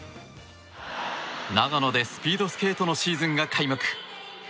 長野でスピードスケートのシーズンが開幕。